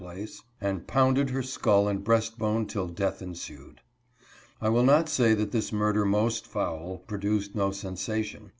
81 place and pounded in her skull and breast bone till death ensued. I will not say that this murder most foul pro duced no sensation.